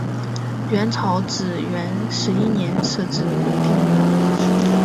元朝至元十一年设置武定路。